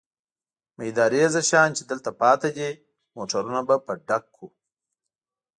مېده رېزه شیان چې دلته پاتې دي، موټرونه به په ډک کړو.